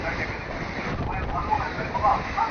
موږ کولای سو چي د کتاب له لاري خپل هدفونه روښانه او عملي کړو !.